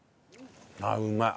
あっうまい。